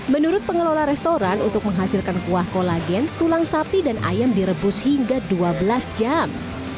menurut pengelola restoran untuk menghasilkan kuah kolagen tulang sapi dan ayam direbus hingga dua belas jam